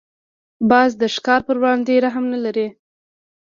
باز د ښکار پر وړاندې رحم نه لري